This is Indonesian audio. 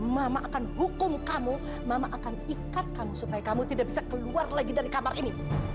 mama akan hukum kamu mama akan ikat kamu supaya kamu tidak bisa keluar lagi dari kamar ini